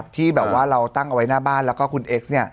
ที่แบบว่าเราตั้งเอาไว้หน้าบ้านแล้วก็คุณเอ็กซ์